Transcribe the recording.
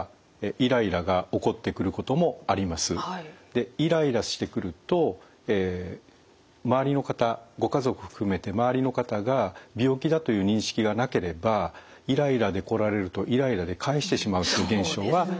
でイライラしてくると周りの方ご家族含めて周りの方が病気だという認識がなければイライラで来られるとイライラで返してしまうという現象がよく起こってきます。